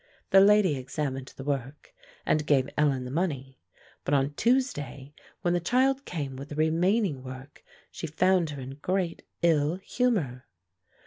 The lady examined the work, and gave Ellen the money; but on Tuesday, when the child came with the remaining work, she found her in great ill humor.